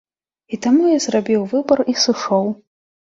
І таму я зрабіў выбар і сышоў.